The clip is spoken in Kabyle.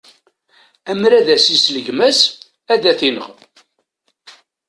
Amer ad as-isel gma-s, ad t-yenɣ.